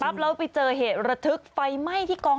มาเจอกันเลย